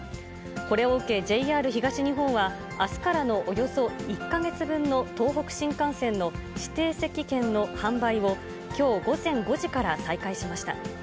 これを受け、ＪＲ東日本はあすからのおよそ１か月分の東北新幹線の指定席券の販売をきょう午前５時から再開しました。